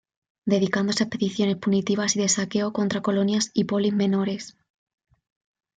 Dedicándose a expediciones punitivas y de saqueo contra colonias y "polis" menores.